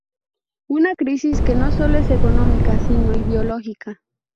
Una crisis que no sólo es económica sino ideológica.